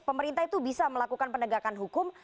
pemerintah itu bisa melakukan penegakan hukum